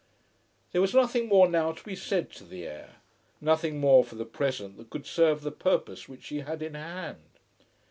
There was nothing more now to be said to the heir; nothing more for the present that could serve the purpose which she had in hand.